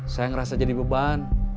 saya ngerasa jadi beban